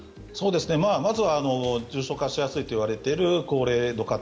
まずは重症化しやすいといわれている高齢の方